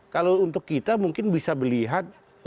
kalau untuk kita mungkin bisa melihat